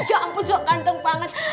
ya ampun kok ganteng banget